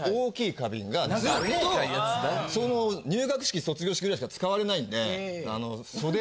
がずっと入学式卒業式ぐらいしか使われないんで。